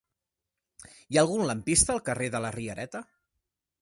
Hi ha algun lampista al carrer de la Riereta?